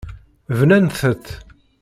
Bnant-t.